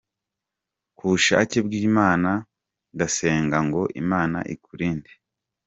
Ku bushake bw'Imana, ndasenga ngo Imana ikurinde.